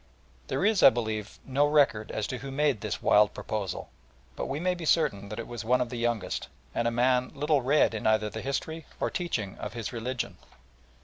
There is, I believe, no record as to who made this wild proposal, but we may be certain that it was one of the youngest, and a man little read in either the history or teaching of his religion.